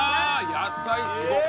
野菜すごっ！